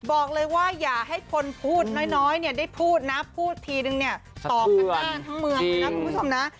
บอกเลยว่าอย่าให้คนพูดน้อยได้พูดนะพูดทีนึงตอบกันได้ทั้งเมือง